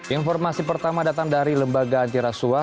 informasi pertama datang dari lembaga antirasua